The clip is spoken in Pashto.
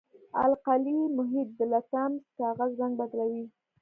القلي محیط د لتمس کاغذ رنګ بدلوي.